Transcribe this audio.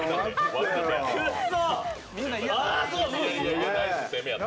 くっそ！